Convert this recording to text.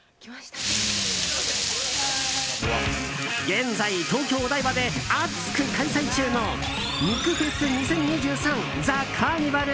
現在、東京・台場で熱く開催中の肉フェス２０２３Ｔｈｅカーニバル